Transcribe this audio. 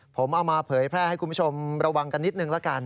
ผมเอามาเผยแพร่ให้คุณผู้ชมระวังกันนิดนึงละกัน